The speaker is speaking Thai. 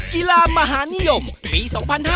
กีฬามหานิยมปี๒๕๕๙